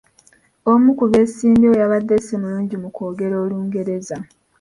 Omu ku beesimbyewo yabadde si mulungi mu kwogera Olungereza.